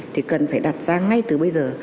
thì cần phải đặt ra ngay từ bây giờ